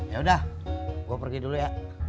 ya udah gue pergi dulu ya